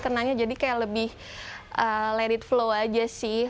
kenanya jadi kayak lebih let it flow aja sih